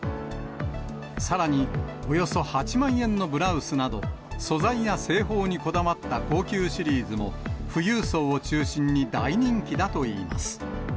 さらにおよそ８万円のブラウスなど、素材や製法にこだわった高級シリーズも、富裕層を中心に大人気だといいます。